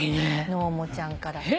のーもちゃんから。